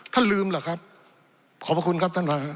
ท่านลืมหรือครับขอบคุณครับท่านฟังครับ